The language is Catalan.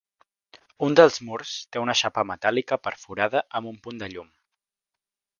Un dels murs té una xapa metàl·lica perforada amb un punt de llum.